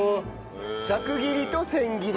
ざく切りと千切り。